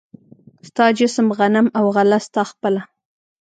ستا جسم، غنم او غله ستا خپله